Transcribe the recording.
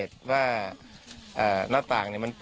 ทีมข่าวเราก็พยายามสอบปากคำในแหบนะครับ